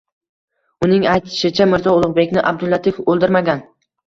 Uning aytishicha, Mirzo Ulug‘bekni Abdullatif o‘ldirmagan